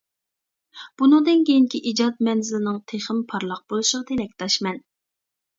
بۇنىڭدىن كېيىنكى ئىجاد مەنزىلىنىڭ تېخىمۇ پارلاق بولۇشىغا تىلەكداشمەن!